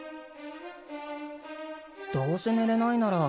どうせ寝れないなら